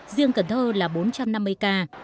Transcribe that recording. riêng cần thơ là bốn trăm năm mươi ca